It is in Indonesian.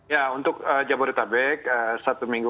ya untuk jabodetabek satu minggu